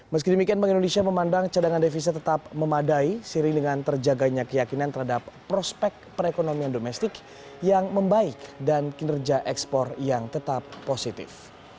meski demikian bank indonesia memandang cadangan devisa tetap memadai siri dengan terjaganya keyakinan terhadap prospek perekonomian domestik yang membaik dan kinerja ekspor yang tetap positif